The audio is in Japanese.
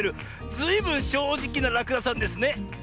ずいぶんしょうじきならくださんですね。